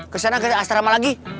kesana ke astrama lagi